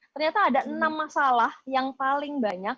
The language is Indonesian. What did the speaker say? ternyata ada enam masalah yang paling banyak